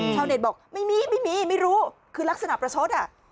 เช่าเน็ตบอกไม่มีไม่รู้คือลักษณะประชด